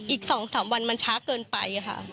อีกสองสามวันมันช้าเกินไปค่ะ